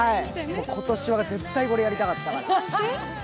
今年は絶対これやりたかったから。